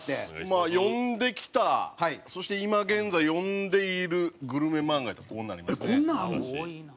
まあ読んできたそして今現在読んでいるグルメ漫画やとこうなりますね。